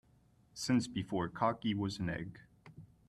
Since before cocky was an egg.